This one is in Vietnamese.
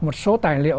một số tài liệu